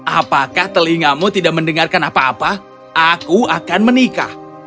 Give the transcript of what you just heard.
apakah telingamu tidak mendengarkan apa apa aku akan menikah